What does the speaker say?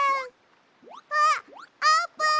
あっあーぷん！